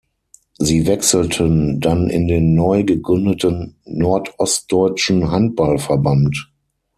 Sie wechselten dann in den neu gegründeten Nordostdeutschen Handball-Verband.